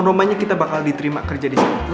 romanya kita bakal diterima kerja disini